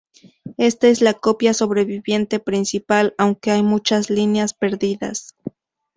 Esta es la copia sobreviviente principal, aunque hay muchas líneas perdidas.